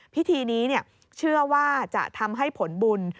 พิธีนี้เชื่อว่าจะทำให้ผลบุญ